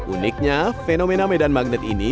uniknya fenomena medan magnet ini